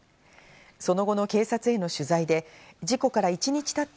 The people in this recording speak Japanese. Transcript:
その後の警察への取材で、事故から一日たった